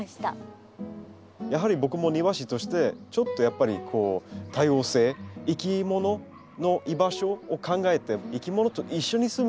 やはり僕も庭師としてちょっとやっぱり多様性いきものの居場所を考えていきものと一緒に住む環境